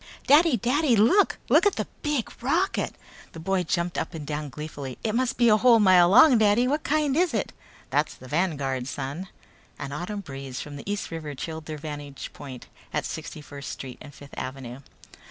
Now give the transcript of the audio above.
"Daddy! Daddy, look! Look at the big rocket!" The little boy jumped up and down gleefully. "It must be a whole mile long, Daddy! What kind is it?" "That's the Vanguard, son." An autumn breeze from the East River chilled their vantage point at Sixty First Street and Fifth Avenue.